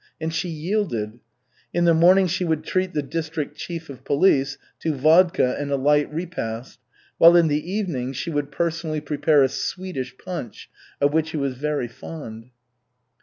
And she yielded. In the morning she would treat the district chief of police to vodka and a light repast, while in the evening she would personally prepare a "Swedish" punch of which he was very fond.